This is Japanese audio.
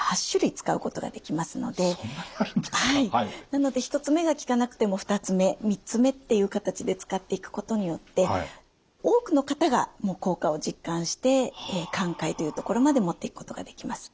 なので１つ目が効かなくても２つ目３つ目っていう形で使っていくことによって多くの方が効果を実感して寛解というところまでもっていくことができます。